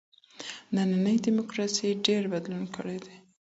نننۍ دموکراسي ډېر بدلون کړی دی.